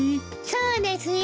そうですよ。